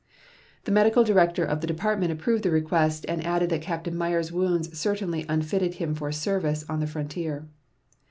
The medical director of the department approved the request, and added that Captain Meyer's wounds certainly unfitted him for service on the frontier.